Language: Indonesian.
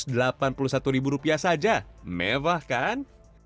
bila pilihan transportasi dan hotel sudah aman